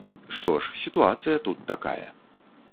Што ж, сітуацыя тут такая.